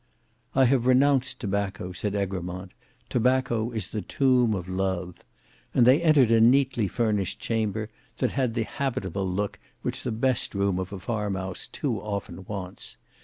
"I have renounced tobacco," said Egremont; "tobacco is the tomb of love," and they entered a neatly furnished chamber, that had that habitable look which the best room of a farmhouse too often wants.